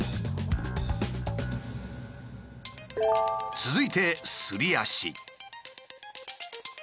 続いてすり足。